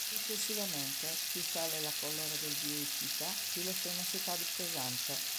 Successivamente, più sale la collera del dio Ittita, più la scena si fa pesante.